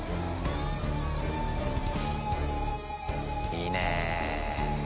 いいね。